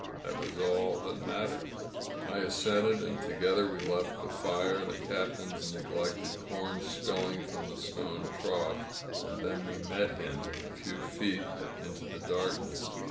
That was all that mattered. I assented, and together we left the fire, the Cap tain's neglected corn spilling from the stone trough. And then we met him a few feet into the darkness.